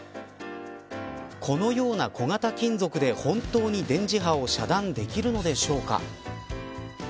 このような小型金属で本当に電磁波を遮断できるのでしょうか。